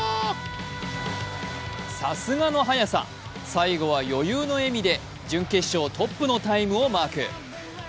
最後は余裕の笑みで準決勝トップのタイムをマーク。